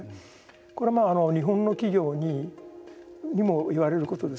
これは、日本の企業にも言われることです